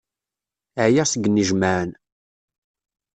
Ɛyiɣ seg yinejmaɛen.